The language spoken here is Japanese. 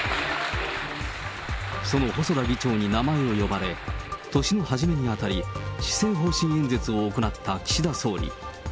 その細田議長に名前を呼ばれ、年の初めにあたり、施政方針演説を行った岸田総理。